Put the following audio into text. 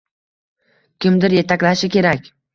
Kimdir etaklashi kerak